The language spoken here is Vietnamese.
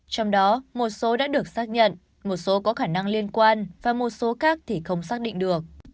trong đó một số đã được xác nhận một số có khả năng liên quan và một số khác thì không xác định được